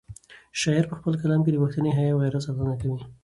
شاعر په خپل کلام کې د پښتني حیا او غیرت ساتنه کوي.